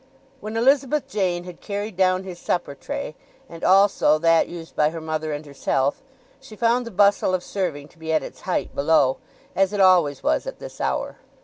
When Elizabeth Jane had carried down his supper tray, and also that used by her mother and herself, she found the bustle of serving to be at its height below, as it always was at this hour.